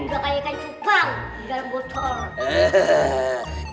juga kayak ikan cupang di dalam botol